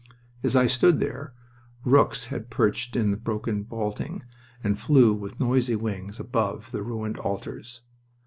As I stood there, rooks had perched in the broken vaulting and flew with noisy wings above the ruined altars.